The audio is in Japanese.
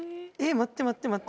待って待って待って。